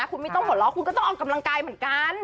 คุณไม่ต้องหัวเราะคุณก็ต้องออกกำลังกายเหมือนกัน